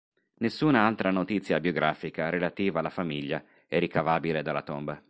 Nessuna altra notizia biografica, relativa alla famiglia, è ricavabile dalla tomba.